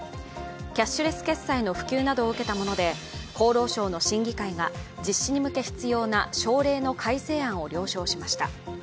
キャッシュレス決済の普及などを受けたもので厚労省の審議会が実施に向け必要な省令の改正案を了承しました。